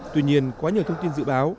tuy nhiên quá nhiều thông tin dự báo